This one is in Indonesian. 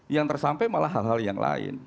yang tersampai malah hal hal yang lain